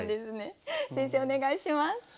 先生お願いします。